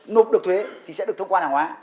nộp được thuế thì sẽ được thông quan hàng hóa